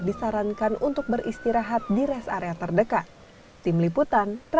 disarankan untuk beristirahat di rest area terdekat